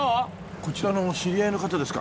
こちらの知り合いの方ですか？